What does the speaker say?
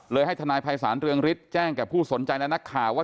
ให้ทนายภัยศาลเรืองฤทธิ์แจ้งแก่ผู้สนใจและนักข่าวว่า